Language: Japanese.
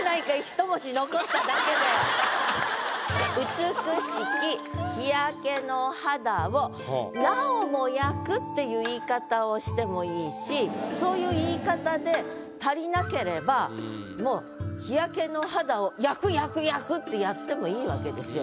「美しき日焼けの肌をなおも焼く」っていう言い方をしてもいいしそういう言い方で足りなければもうってやってもいいわけですよ。